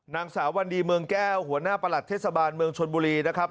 นางสาววันดีเมืองแก้วหัวหน้าประหลัดเทศบาลเมืองชนบุรีนะครับ